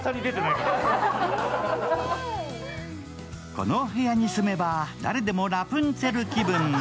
このお部屋に住めば誰でもラプンツェル気分。